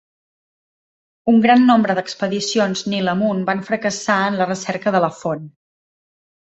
Un gran nombre d'expedicions Nil amunt van fracassar en la recerca de la font.